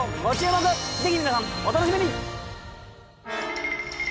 ぜひ皆さんお楽しみに！